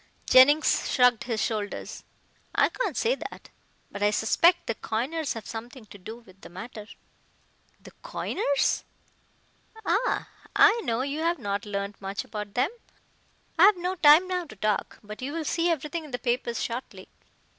Jennings shrugged his shoulders. "I can't say that. But I suspect the coiners have something to do with the matter." "The coiners?" "Ah! I know you have not learned much about them. I have no time now to talk, but you will see everything in the papers shortly.